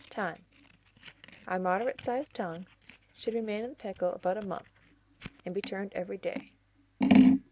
Time. A moderate sized tongue should remain in the pickle about a month, and be turned every day.